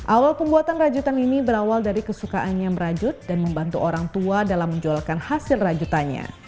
awal pembuatan rajutan ini berawal dari kesukaannya merajut dan membantu orang tua dalam menjualkan hasil rajutannya